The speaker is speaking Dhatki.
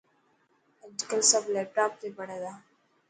اڄ ڪل سب ليپٽاپ تي پڙهي تا.